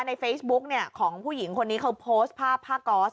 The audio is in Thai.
ในเฟซบุ๊กของผู้หญิงคนนี้เขาโพสต์ภาพผ้าก๊อส